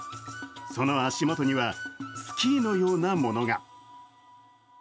その足元にはスキーのようなものが。